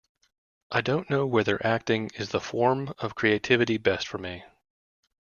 I don't know whether acting is the form of creativity best for me.